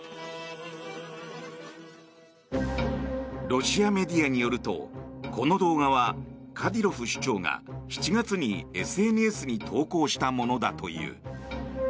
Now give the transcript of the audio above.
ロシアメディアによるとこの動画はカディロフ首長が７月にＳＮＳに投稿したものだという。